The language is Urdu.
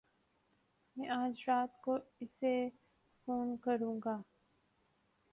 میں اج رات کو اسے فون کروں گا۔